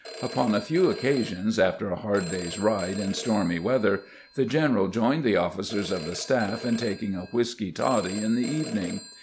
Upon a few occasions, after a hard day's ride in stormy weather, the general joined the officers of the staff in taking a whisky toddy in the evening.